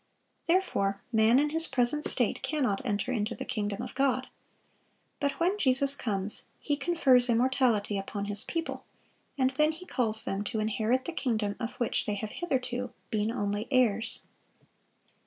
Therefore man in his present state cannot enter into the kingdom of God. But when Jesus comes, He confers immortality upon His people; and then He calls them to inherit the kingdom of which they have hitherto been only heirs.